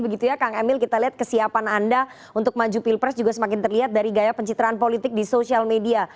begitu ya kang emil kita lihat kesiapan anda untuk maju pilpres juga semakin terlihat dari gaya pencitraan politik di sosial media